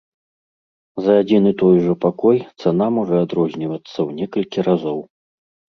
За адзін і той жа пакой цана можа адрознівацца ў некалькі разоў.